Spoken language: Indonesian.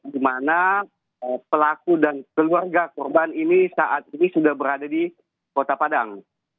di mana pelaku dan keluarga korban ini saat ini sudah berada di kota padang